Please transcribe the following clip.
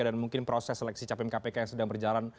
dan mungkin proses seleksi capim kpk yang sedang berjalan